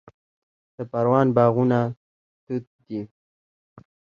د پروان باغونه توت دي